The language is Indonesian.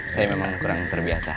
saya memang kurang terbiasa